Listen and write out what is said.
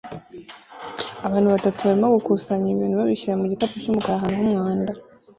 Abantu batatu barimo gukusanya ibintu babishyira mu gikapu cy'umukara ahantu h'umwanda